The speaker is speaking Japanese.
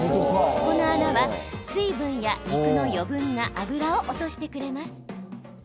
この穴は水分や肉の余分な脂を落としてくれます。